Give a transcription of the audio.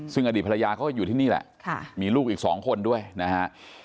ซึ่งอดีตภรรยาเขาก็อยู่ที่นี่แหละมีลูกอีก๒คนด้วยนะฮะ